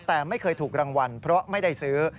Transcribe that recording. แต่ไม่เคยถูกรางวัลเพราะไม่ได้ซื้อ